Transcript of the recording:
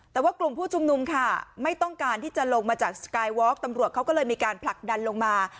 แต่ว่ากลุ่มผู้ชุมนุมค่ะไม่ต้องการที่จะลงมาจากสกายวอล์กตำรวจเขาก็เลยมีการผลักดันลงมา